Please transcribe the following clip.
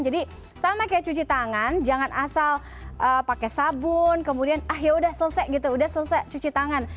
jadi sama kayak cuci tangan jangan asal pakai sabun kemudian ah yaudah selesai gitu udah selesai cuci tangan